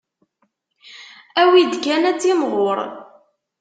Awi-d kan ad timɣur.